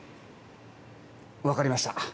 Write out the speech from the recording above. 分かりました。